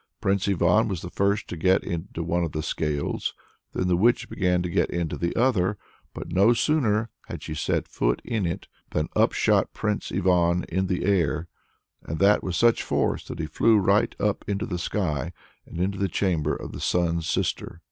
Prince Ivan was the first to get into one of the scales; then the witch began to get into the other. But no sooner had she set foot in it than up shot Prince Ivan in the air, and that with such force that he flew right up into the sky, and into the chamber of the Sun's Sister.